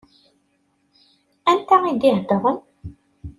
Anta i d-iheddṛen?